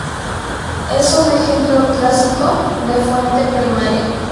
Es un ejemplo clásico de fuente primaria.